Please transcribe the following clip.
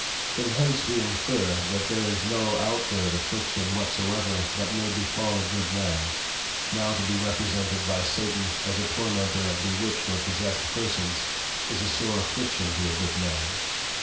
_ From hence we infer, that there is no outward Affliction whatsoever but may befal a good Man; now to be represented by Satan as a Tormentor of Bewitched or Possessed Persons, is a sore Affliction to a good man.